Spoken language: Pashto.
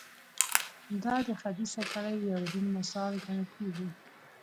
دا د خبیثه کړۍ یو روڼ مثال ګڼل کېږي.